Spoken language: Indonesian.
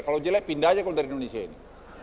kalau jelek pindah aja kalau dari indonesia ini